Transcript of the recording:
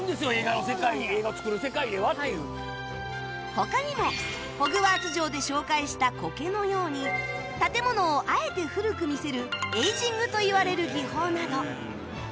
他にもホグワーツ城で紹介した苔のように建物をあえて古く見せるエイジングといわれる技法など